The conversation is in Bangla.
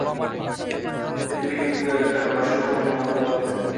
এটি হিন্দুদের একটি রহস্যপূর্ণ মতবাদ।